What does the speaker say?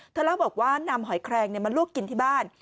เธอเล่าบอกว่านำหอยแคลงเนี่ยมาลูกกินที่บ้าน